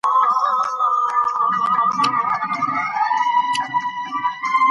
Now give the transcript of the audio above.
زراعت د افغانستان د صادراتو مهمه برخه ده.